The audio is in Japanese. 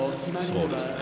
そうですね。